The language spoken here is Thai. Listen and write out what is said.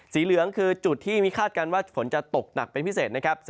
เหลืองคือจุดที่มีคาดการณ์ว่าฝนจะตกหนักเป็นพิเศษนะครับ